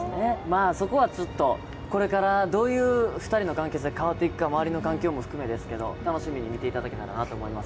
そこはこれからどういう２人の関係性が変わっていくか周りの関係も含めてですけど、楽しみに見ていただけたらなと思います。